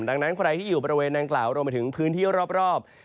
ดังนั้นใครที่อยู่บริเวณนางกล่าวรวมไปถึงพื้นที่รอบ